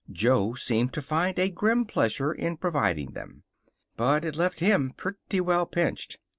Jo seemed to find a grim pleasure in providing them. But it left him pretty well pinched.